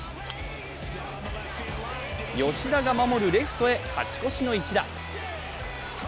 吉田が守るレフトへ勝ち越しの一打。